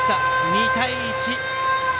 ２対１。